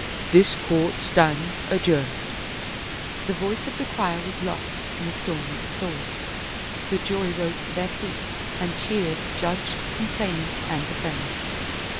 This court stands adjourned." The voice of the crier was lost in a storm of applause. The jury rose to their feet and cheered judge, complainant, and defendant.